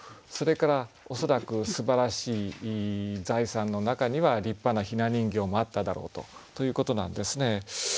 それから恐らくすばらしい財産の中には立派なひな人形もあっただろうとということなんですね。